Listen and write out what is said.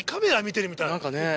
何かね。